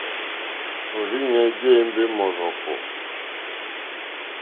Òrzìɲɛ́ jé ěmbé mɔ́rzɔ̀kɔ̀.